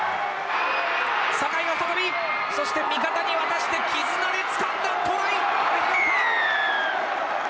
サカイが再びそして味方に渡して絆でつかんだトライ！